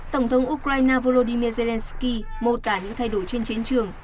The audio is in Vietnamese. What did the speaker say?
tổng thống ukraine volodymyr zelensky mô tả những thay đổi trên chiến trường